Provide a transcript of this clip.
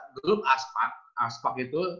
grup aspak aspak itu